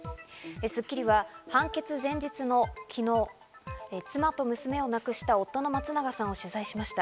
『スッキリ』は判決前日の昨日、妻と娘を亡くした夫の松永さんを取材しました。